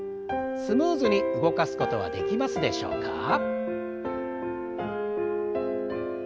スムーズに動かすことはできますでしょうか？